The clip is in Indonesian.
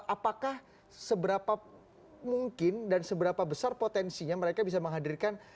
apakah seberapa mungkin dan seberapa besar potensinya mereka bisa menghadirkan